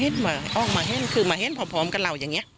ออกมาออกมาเห็นคือมาเห็นพร้อมกับเราอย่างนี้